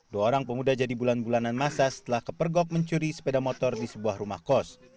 dua orang pemuda jadi bulan bulanan masa setelah kepergok mencuri sepeda motor di sebuah rumah kos